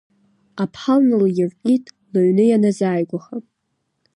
Аԥҳал налиркит, лыҩны ианазааигәаха.